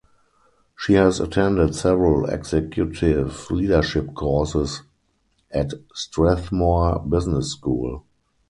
She has attended several executive leadership courses at Strathmore Business School.